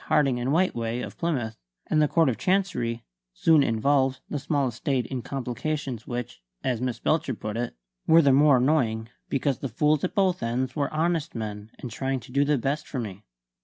Harding and Whiteway, of Plymouth and the Court of Chancery, soon involved the small estate in complications which (as Miss Belcher put it) were the more annoying because the fools at both ends were honest men and trying to do the best for me.